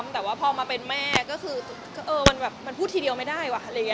แต่ว่าพอมาเป็นแม่ก็คือมันพูดทีเดียวไม่ได้